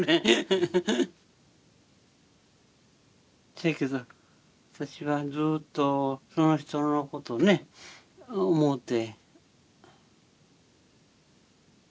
せやけど私はずっとその人のことね想うて。